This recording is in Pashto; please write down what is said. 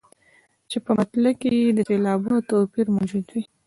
چې په مطلع کې یې د سېلابونو توپیر موجود وي.